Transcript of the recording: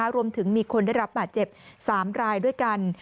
รวมถึงมีคนได้รับบาดเจ็บ๓รายด้วยกัน